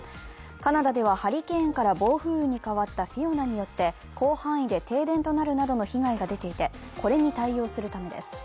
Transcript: カナダでは、ハリケーンから暴風雨に変わったフィオナによって広範囲で停電となるなどの被害が出ていて、これに対応するためです。